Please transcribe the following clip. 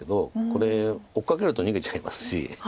これ追っかけると逃げちゃいますし。